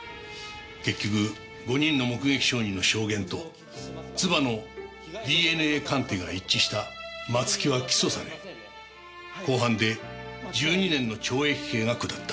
結局５人の目撃証人の証言と唾のＤＮＡ鑑定が一致した松木は起訴され公判で１２年の懲役刑が下った。